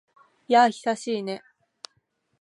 やあ、久しいね。